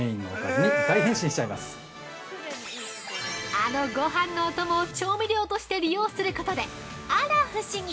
◆あのごはんのお供を調味料として利用することであら不思議！